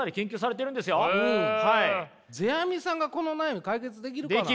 世阿弥さんがこの悩み解決できるかな？